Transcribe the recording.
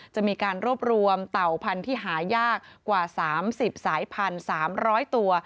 จะมีการรวบรวมเต่าพันธุ์ที่หายากกว่า๓๐สาย๑๓๐๐ตัว